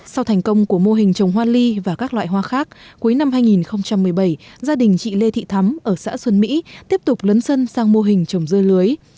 sau thành công của mô hình trồng hoa ly và các loại hoa khác cuối năm hai nghìn một mươi bảy gia đình chị lê thị thắm ở xã xuân mỹ tiếp tục lấn sân sang mô hình trồng dưa lưới